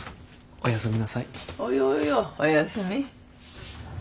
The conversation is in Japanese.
おやすみ。